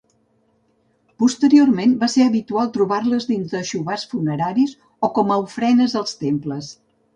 Posteriorment va ser habitual trobar-les dins d'aixovars funeraris o com a ofrenes als temples.